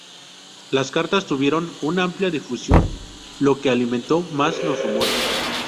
Las cartas tuvieron una amplia difusión, lo que alimentó más los rumores.